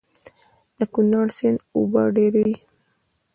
د کونړ سيند اوبه ډېرې دي